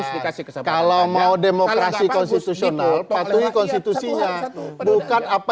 demokrasi gitu kalau bagus kalau mau demokrasi konstitusional patuhi konstitusinya bukan apa